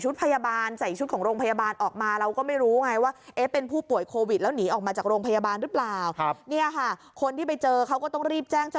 เลยหมายเป็นผู้ป่วยโควิดและหนีออกมาจากโรงพยาบาลหรือครับคนที่ไปเจอเขาก็ต้องรีบแจ้ง